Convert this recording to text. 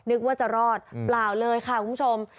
นึกว่าจะรอดเปล่าเลยค่ะคุณผู้ชม